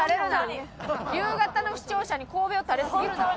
夕方の視聴者にこうべを垂れすぎるな。